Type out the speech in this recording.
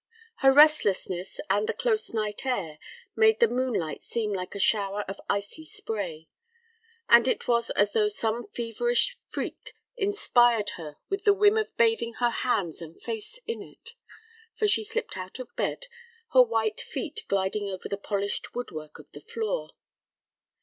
Her restlessness and the close night air made the moonlight seem like a shower of icy spray. And it was as though some feverish freak inspired her with the whim of bathing her hands and face in it, for she slipped out of bed, her white feet gliding over the polished woodwork of the floor.